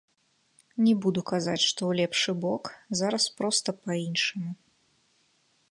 Не буду казаць, што ў лепшы бок, зараз проста па-іншаму.